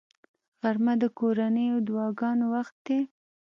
غرمه د کورنیو دعاګانو وخت دی